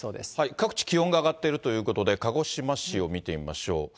各地、気温が上がっているということで、鹿児島市を見てみましょう。